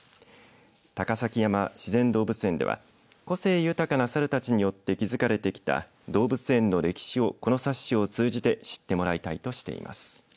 高崎山自然動物園では個性豊かな猿たちによって築かれてきた動物園の歴史をこの冊子を通じて知ってもらいたいとしています。